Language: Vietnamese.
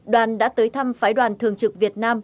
đoàn đã tới thăm phái đoàn thường trực việt nam